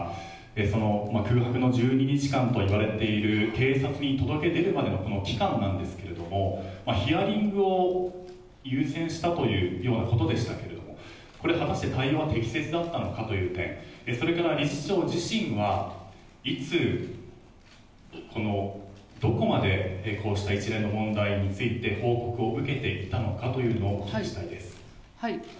その空白の１２日間と言われている警察に届け出るまでのこの期間なんですけれども、ヒアリングを優先したというようなことでしたけれども、これ、果たして対応は適切だったのかという点、それから理事長自身はいつどこまで、こうした一連の問題について報告を受けていたのかというのを。